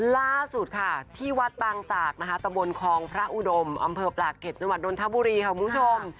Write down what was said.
ล่าสุดค่ะที่วัดบางจากนะคะตะบนคลองพระอุดมอำเภอปลาเก็ตจังหวัดดนทบุรีค่ะคุณผู้ชม